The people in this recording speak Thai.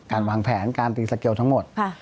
วางแผนการตีสเกลทั้งหมด